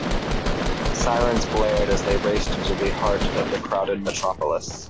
Sirens blared as they raced into the heart of the crowded metropolis.